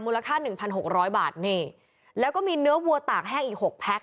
ค่าหนึ่งพันหกร้อยบาทนี่แล้วก็มีเนื้อวัวตากแห้งอีกหกแพ็ค